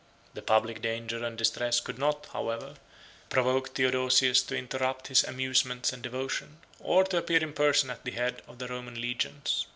The public danger and distress could not, however, provoke Theodosius to interrupt his amusements and devotion, or to appear in person at the head of the Roman legions.